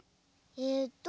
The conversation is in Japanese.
えっと